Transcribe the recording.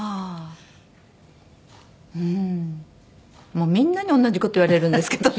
もうみんなに同じ事言われるんですけどね。